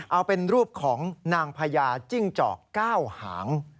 เอาเป็นรูปของนางพญาจิ้งจอก๙หาง